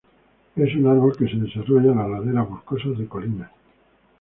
Es un árbol que se desarrolla en las laderas boscosas de colinas.